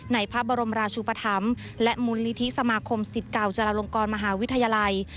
ในพระบรมราชุปธรรมและมูลนิธิสมาคมสิทธิ์เก่าจุฬลงกรมหาวิทยาลัย